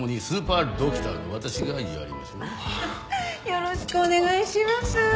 よろしくお願いします。